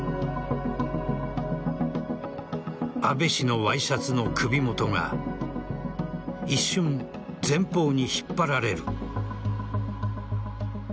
安倍氏のワイシャツの首元が一瞬、前方に引っ張られる。